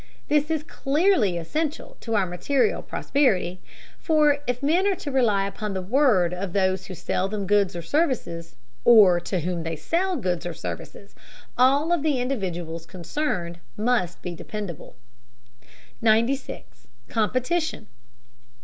This is clearly essential to our material prosperity, for if men are to rely upon the word of those who sell them goods or services, or to whom they sell goods or services, all of the individuals concerned must be dependable. 96. COMPETITION.